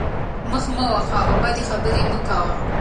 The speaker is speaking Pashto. مخ مه وهه او بدې خبرې مه کوه.